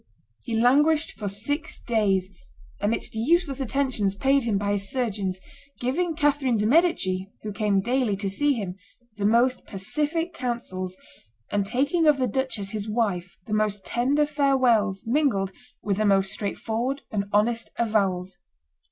He languished for six days, amidst useless attentions paid him by his surgeons, giving Catherine de' Medici, who came daily to see him, the most pacific counsels, and taking of the duchess his wife the most tender farewells mingled with the most straightforward and honest avowals.